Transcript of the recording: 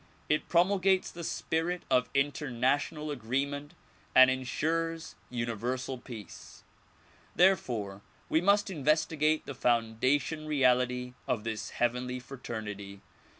It promulgates the spirit of international agreement and insures Universal Peace. Therefore we must investigate the foundation reality of this heavenly frater nity.